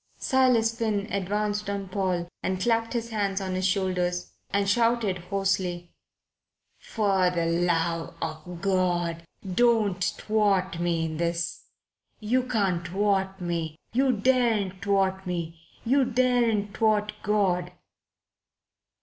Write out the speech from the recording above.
Silas Finn advanced on Paul and clapped his hands on his shoulders and shouted hoarsely: "For the love of God don't thwart me in this. You can't thwart me. You daren't thwart me. You daren't thwart God."